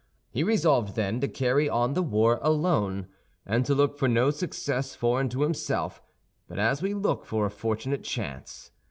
He resolved, then, to carry on the war alone, and to look for no success foreign to himself, but as we look for a fortunate chance.